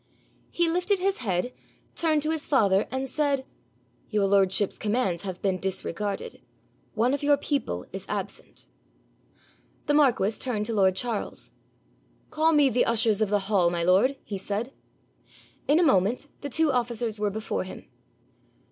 He lifted his head, turned to his father, and said, 'Your lordship's commands have been disregarded. One of your people is absent.' The marquis turned to lord Charles. 'Call me the ushers of the hall, my lord,' he said. In a moment the two officers were before him.